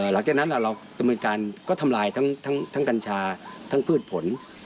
หลังจากนั้นเราดำเนินการก็ทำลายทั้งกัญชาทั้งพืชผล